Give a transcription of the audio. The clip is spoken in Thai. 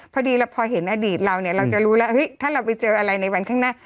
พอดีเราพอเห็นอดีตเราเนี่ยเราจะรู้แล้วถ้าเราไปเจออะไรในวันข้างหน้า